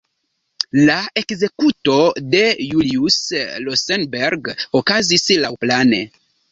La ekzekuto de Julius Rosenberg okazis laŭplane.